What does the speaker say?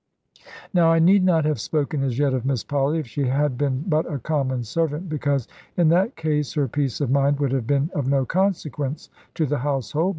Now I need not have spoken as yet of Miss Polly if she had been but a common servant, because in that case her peace of mind would have been of no consequence to the household.